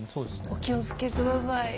お気をつけ下さい。